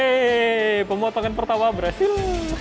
weee pemotongan pertama berhasil